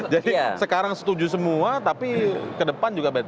jadi sekarang setuju semua tapi kedepan juga baik